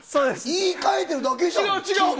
言い換えてるだけじゃん！